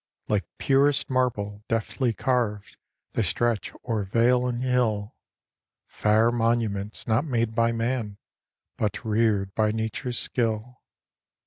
Like purest marble, deftly carv'd, They stretch o'er vale and hill, Fair monuments, not made by man, But rear'd by nature's skill.